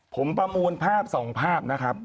ผมประมูลภาพ๒ภาพนะครับ